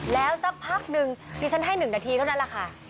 แล้วสักพักนึงดิฉันให้๑นาทีเท่านั้นแหละค่ะ